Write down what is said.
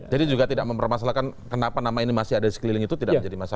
jadi juga tidak mempermasalahkan kenapa nama ini masih ada di sekeliling itu tidak menjadi masalah